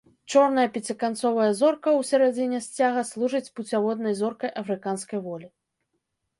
Чорная пяціканцовая зорка ў сярэдзіне сцяга служыць пуцяводнай зоркай афрыканскай волі.